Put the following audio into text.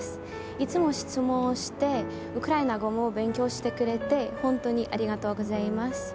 いつも質問をしてウクライナ語も勉強してくれて本当に、ありがとうございます。